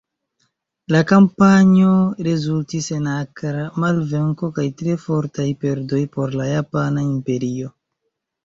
La kampanjo rezultis en akra malvenko kaj tre fortaj perdoj por la Japana Imperio.